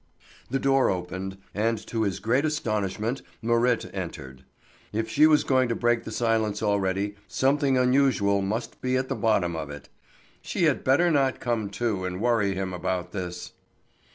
The door opened, and to his great astonishment Marit entered. If she was going to break the silence already, something unusual must be at the bottom of it. She had better not come too and worry him about this!